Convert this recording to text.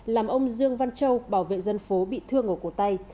làm ông dương văn châu bảo vệ dân phố bị thương ở cổ tay